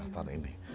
dua belas tahun ini